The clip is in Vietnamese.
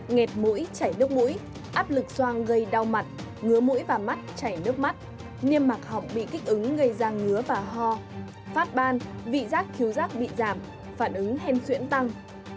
nghẹt mũi chảy nước mũi áp lực xoang gây đau mặt ngứa mũi và mắt chảy nước mắt niêm mạc họng bị kích ứng gây ra ngứa và ho phát ban vị giác khiếu giác bị giảm phản ứng hen xuyễn tăng